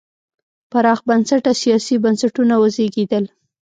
پراخ بنسټه سیاسي بنسټونه وزېږېدل.